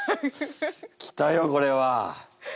来たよこれは。